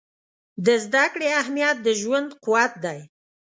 د زده کړې اهمیت د ژوند قوت دی.